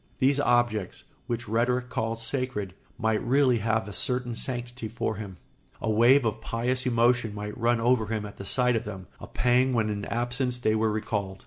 These objects, which rhetoric calls sacred, might really have a certain sanctity for him; a wave of pious emotion might run over him at the sight of them, a pang when in absence they were recalled.